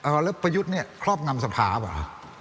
เอาแล้วประยุทธ์นี่ครอบหนำสภาพเหรอ